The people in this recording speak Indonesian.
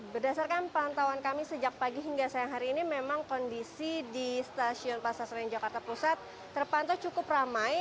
berdasarkan pantauan kami sejak pagi hingga siang hari ini memang kondisi di stasiun pasar senen jakarta pusat terpantau cukup ramai